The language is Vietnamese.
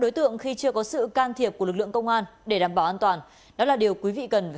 đối tượng khi chưa có sự can thiệp của lực lượng công an để đảm bảo an toàn đó là điều quý vị cần phải